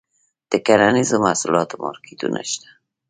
د کرنیزو محصولاتو مارکیټونه شته؟